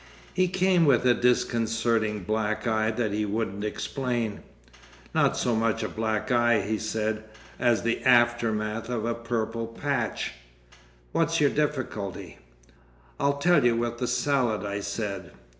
He came with a disconcerting black eye that he wouldn't explain. "Not so much a black eye," he said, "as the aftermath of a purple patch.... What's your difficulty?" "I'll tell you with the salad," I said.